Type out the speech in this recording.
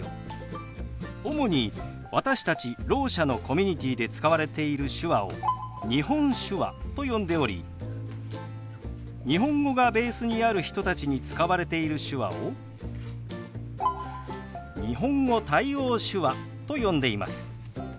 主に私たちろう者のコミュニティーで使われている手話を日本手話と呼んでおり日本語がベースにある人たちに使われている手話を日本語対応手話と呼んでいます。